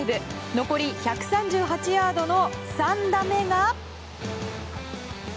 残り１３８ヤードの３打目が。